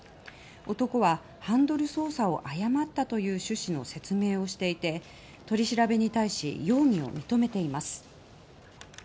男はハンドル操作を誤ったという趣旨の説明をしていて取り調べに対し容疑を認めています。